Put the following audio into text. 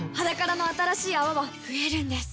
「ｈａｄａｋａｒａ」の新しい泡は増えるんです